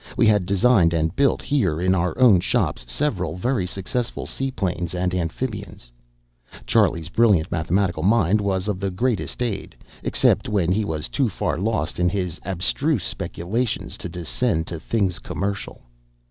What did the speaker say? We had designed and built here in our own shops several very successful seaplanes and amphibians. Charlie's brilliant mathematical mind was of the greatest aid, except when he was too far lost in his abstruse speculations to descend to things commercial.